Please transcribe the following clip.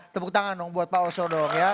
tepuk tangan dong buat pak oso dong ya